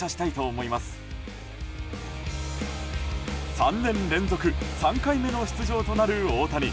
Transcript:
３年連続３回目の出場となる大谷。